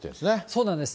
そうなんです。